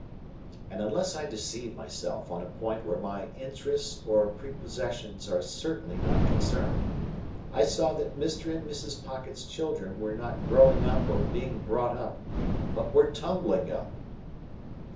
And unless I deceive myself on a point where my interests or prepossessions are certainly not concerned, I saw that Mr. and Mrs. Pocket's children were not growing up or being brought up, but were tumbling up.